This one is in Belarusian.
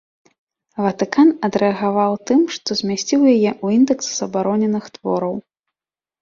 Ватыкан адрэагаваў тым, што змясціў яе ў індэкс забароненых твораў.